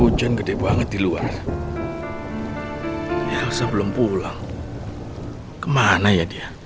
ujian gede banget di luar elsa belum pulang kemana ya dia